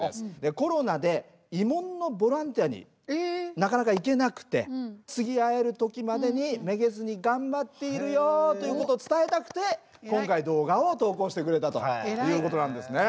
コロナで慰問のボランティアになかなか行けなくて次会える時までにめげずに頑張っているよということを伝えたくて今回動画を投稿してくれたということなんですね。